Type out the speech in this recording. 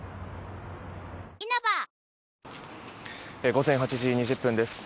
午前８時２０分です。